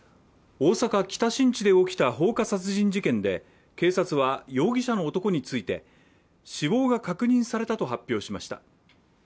大阪・北新地で起きた放火殺人事件で、警察は容疑者の男について死亡が確認されたと発表しました。